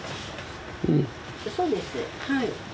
そうですはい。